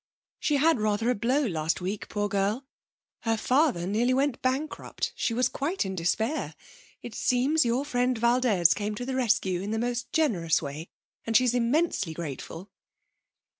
She had rather a blow last week, poor girl. Her father nearly went bankrupt; she was quite in despair. It seems your friend Valdez came to the rescue in the most generous way, and she's immensely grateful.'